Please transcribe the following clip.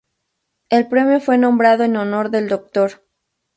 El premio fue nombrado en honor del Dr.